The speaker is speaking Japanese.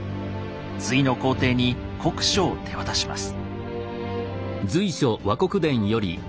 隋の皇帝に国書を手渡します。